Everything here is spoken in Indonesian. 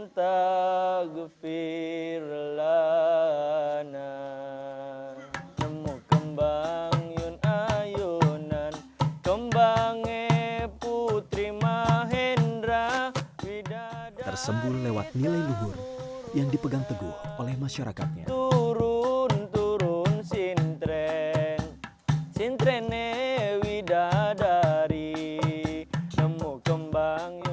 tersembun lewat nilai luhur yang dipegang teguh oleh masyarakatnya